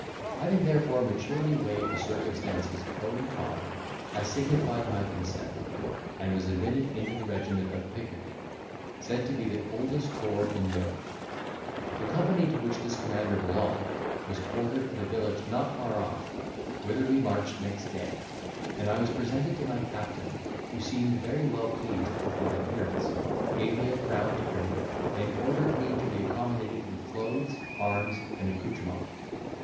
Having, therefore, maturely weighed the circumstances pro and con I signified my consent, and was admitted into the regiment of Picardy, said to be the oldest corps in Europe. The company to which this commander belonged was quartered at a village not far off, whither we marched next day, and I was presented to my captain, who seemed very well pleased with my appearance, gave me a crown to drink, and ordered me to be accommodated with clothes, arms, and accoutrements.